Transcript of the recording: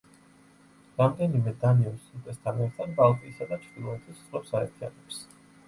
რამდენიმე დანიურ სრუტესთან ერთად ბალტიისა და ჩრდილოეთის ზღვებს აერთიანებს.